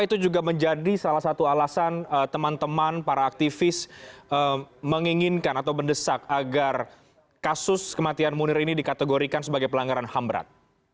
itu juga menjadi salah satu alasan teman teman para aktivis menginginkan atau mendesak agar kasus kematian munir ini dikategorikan sebagai pelanggaran ham berat